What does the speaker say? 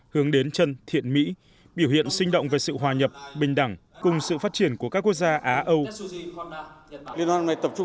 hướng đến chân thiện mỹ biểu hiện sinh động về sự hòa nhập bình đẳng cùng sự phát triển của các quốc gia á âu